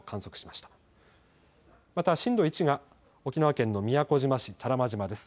また震度１が沖縄県の宮古島市多良間島です。